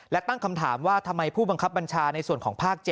และตั้งคำถามว่าทำไมผู้บังคับบัญชาในส่วนของภาค๗